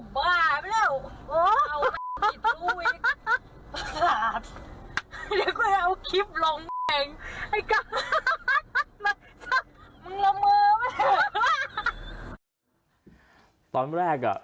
ไปย้อนสอนอีก